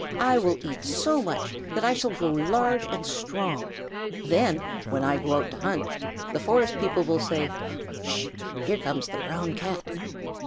I will eat so much that I shall grow large and strong. Then, when I go out to hunt, the forest people will say, 'Sh! Here comes the Brown Cat.'"